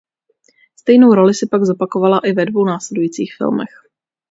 Stejnou roli si pak zopakovala i ve dvou následujících filmech.